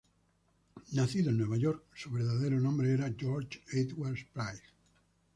Nacido en Nueva York, su verdadero nombre era George Edwards Price.